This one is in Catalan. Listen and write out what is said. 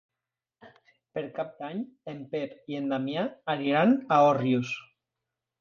Per Cap d'Any en Pep i en Damià aniran a Òrrius.